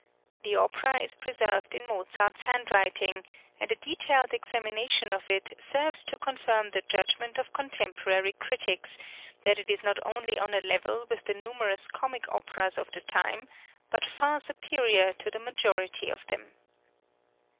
The opera is preserved in Mozart's handwriting, and a detailed examination of it serves to confirm the judgment of contemporary critics, that it is not only on a level with the numerous comic operas of the time, but far superior to the majority of them.